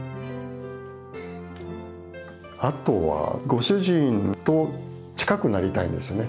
あとはご主人と近くなりたいんですよね